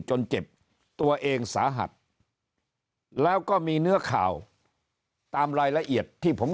จนเจ็บตัวเองสาหัสแล้วก็มีเนื้อข่าวตามรายละเอียดที่ผม